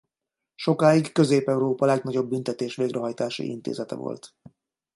Sokáig Közép-Európa legnagyobb büntetés-végrehajtási intézete volt.